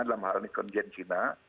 dalam hal ikon jen china